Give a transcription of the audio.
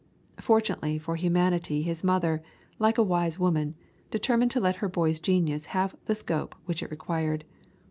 Fortunately for humanity his mother, like a wise woman, determined to let her boy's genius have the scope which it required.